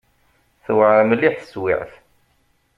Tewɛer mliḥ teswiɛt.